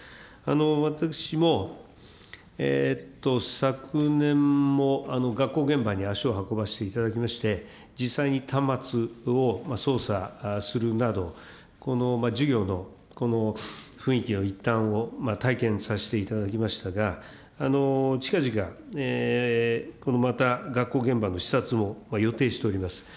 私も昨年も学校現場に足を運ばせていただきまして、実際に端末を操作するなど、授業の雰囲気の一端を体験させていただきましたが、近々、また学校現場の視察も予定しております。